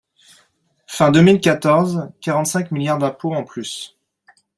Fin deux mille quatorze, quarante-cinq milliards d’impôts en plus